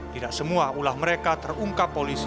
tidak semua ulah mereka terungkap polisi